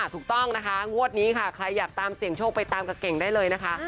ถูกต้องนะคะงวดนี้ค่ะใครอยากตามเสี่ยงโชคไปตามกับเก่งได้เลยนะคะ